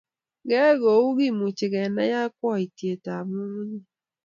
Ngeyai kou kemuchi Kenai yakwaiyetab ngungunyek